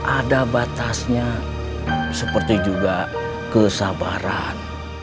ada batasnya seperti juga kesabaran